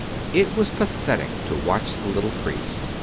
It was pathetic to watch the little priest.